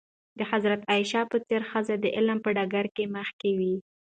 د حضرت عایشه په څېر ښځې د علم په ډګر کې مخکښې وې.